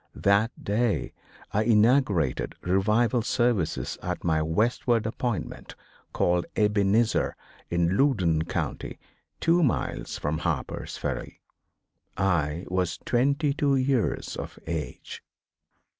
That day I inaugurated revival services at my westward appointment called "Ebenezer," in Loudon County two miles from Harper's Ferry. I was twenty two years of age.